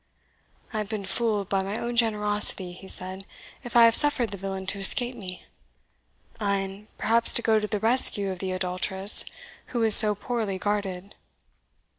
"I have been fooled by my own generosity," he said, "if I have suffered the villain to escape me ay, and perhaps to go to the rescue of the adulteress, who is so poorly guarded."